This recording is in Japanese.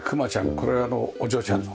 これあのお嬢ちゃんの？